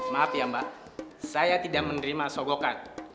maaf ya mbak saya tidak menerima sogokan